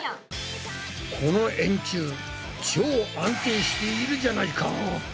この円柱超安定しているじゃないか！